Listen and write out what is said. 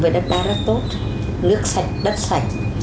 với đất đai rất tốt nước sạch đất sạch